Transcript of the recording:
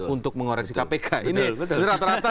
untuk mengoreksi kpk ini rata rata